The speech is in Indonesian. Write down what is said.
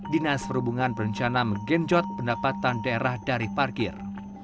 dinas perhubungan berencana menggenjot pendapatan daerah dari parkir